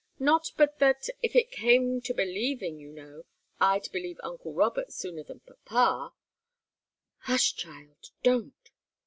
"Not but that, if it came to believing, you know, I'd believe uncle Robert sooner than papa " "Hush, child don't!"